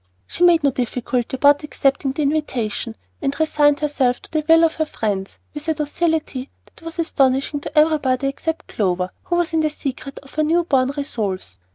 She made no difficulty about accepting the invitation, and resigned herself to the will of her friends with a docility that was astonishing to everybody except Clover, who was in the secret of her new born resolves.